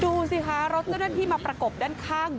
ดูสิวะคะเจ้ารถเจ้านาทีมาประกบด้านข้าง